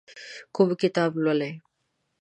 کوم کتاب لولئ؟